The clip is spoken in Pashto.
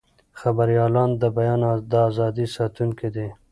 خبریالان د بیان د ازادۍ ساتونکي دي.